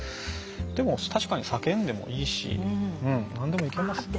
でも確かに叫んでもいいし何でもいけます。